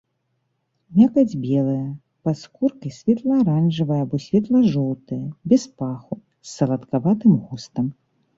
Мякаць белая, пад скуркай светла-аранжавая або светла-жоўтая, без паху, з саладкаватым густам.